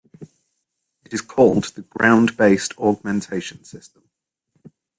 It is called the Ground Based Augmentation System.